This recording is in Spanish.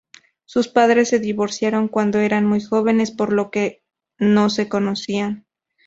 Sus padres se divorciaron cuando eran muy jóvenes, por lo que no se conocían.